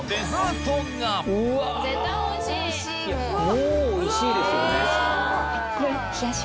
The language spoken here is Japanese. もうおいしいですよね。